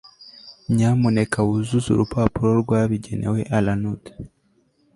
nyamuneka wuzuze urupapuro rwabigenewe alanood